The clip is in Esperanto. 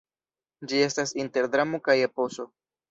Ĝi estas inter dramo kaj eposo.